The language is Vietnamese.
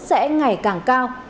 sẽ ngày càng cao